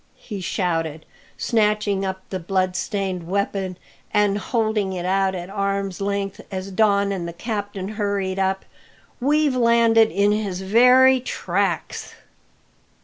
he shouted, snatching up the blood stained weapon, and holding it out at arms length, as Don and the captain hurried up; "we've landed in his very tracks!"